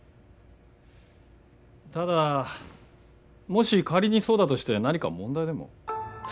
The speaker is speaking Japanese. ただもし仮にそうだとして何か問題でも？